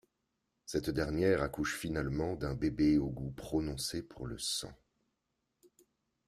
Cette dernière accouche finalement d'un bébé au goût prononcé pour le sang.